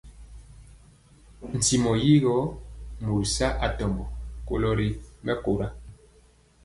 Ntimɔ yi gɔ mori saa atɔmbɔ kolo ri mɛkóra.